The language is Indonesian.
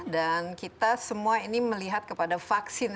dan kita semua ini melihat kepada vaksin